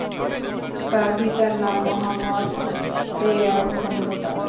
তার পিতার নাম মোহাম্মদ এয়ার খন্দকার।